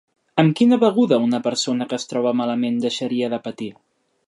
Amb quina beguda una persona que es troba malament deixaria de patir?